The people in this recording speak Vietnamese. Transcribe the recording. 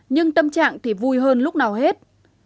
nhưng tâm trạng thì vui hơn lúc nào hết